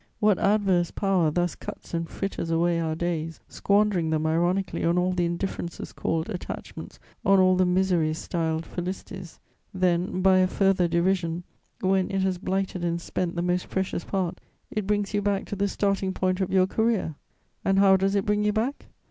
What adverse power thus cuts and fritters away our days, squandering them ironically on all the indifferences called attachments, on all the miseries styled felicities! Then, by a further derision, when it has blighted and spent the most precious part, it brings you back to the starting point of your career. And how does it bring you back?